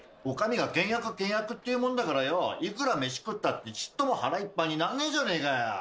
お上が倹約倹約って言うもんだからよういくら飯食ったってちっとも腹いっぱいになんねえじゃねえかよ。